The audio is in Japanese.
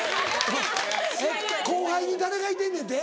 後輩に誰がいてんねんって？